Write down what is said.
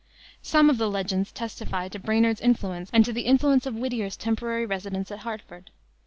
Some of the Legends testify to Brainard's influence and to the influence of Whittier's temporary residence at Hartford.